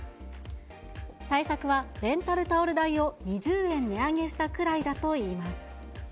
対策はレンタルタオル代を２０円値上げしたくらいだといいます。